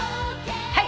はい。